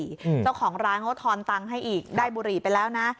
เจ้าของร้านเขาทอนตังค์ให้อีกได้บุหรี่ไปแล้วนะ